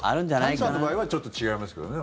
谷さんの場合はちょっと違いますけどね。